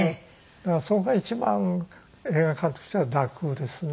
だからそこが一番映画監督としては楽ですね。